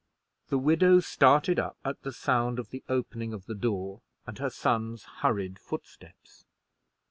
The widow started up at the sound of the opening of the door and her son's hurried footsteps.